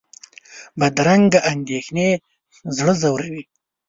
بدرنګه اندېښنې زړه ځوروي